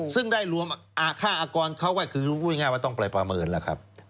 ซึ่งได้รวมค่าอากรเขาก็คือพูดง่ายว่าต้องไปประเมินแล้วครับ